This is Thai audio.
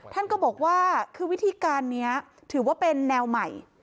ท่านก็บอกว่าคือวิธีการนี้ถือว่าเป็นแนวใหม่